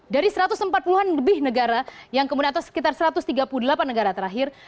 dari satu ratus empat puluh an lebih negara yang kemudian atau sekitar satu ratus tiga puluh delapan negara terakhir